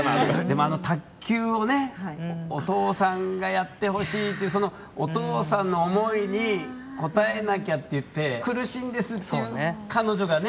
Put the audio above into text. でも、あの卓球をねお父さんがやってほしいっていうそのお父さんの思いに応えなきゃっていって苦しいんですという彼女がね。